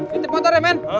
ditempatkan aja men